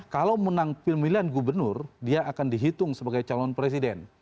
kalau menang pemilihan gubernur dia akan dihitung sebagai calon presiden